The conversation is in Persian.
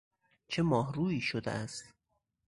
چه ماهرویی شده است!